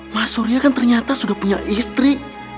mas surya kan ternyata sudah punya istri